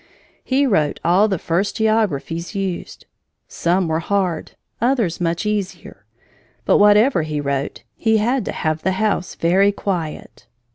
He wrote all the first geographies used. Some were hard, others much easier. But whatever he wrote, he had to have the house very quiet.